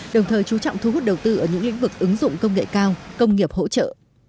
đồng thời chú trọng thu hút đầu tư ở những lĩnh vực ứng dụng công nghệ cao công nghiệp hỗ trợ